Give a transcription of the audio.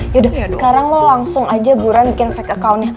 yaudah sekarang lo langsung aja buran bikin fact accountnya